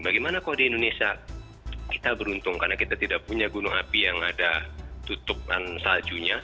bagaimana kalau di indonesia kita beruntung karena kita tidak punya gunung api yang ada tutupan saljunya